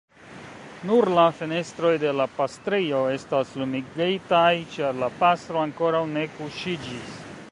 Nur la fenestroj de la pastrejo estas lumigitaj, ĉar la pastro ankoraŭ ne kuŝiĝis.